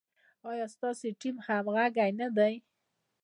ایا ستاسو ټیم همغږی نه دی؟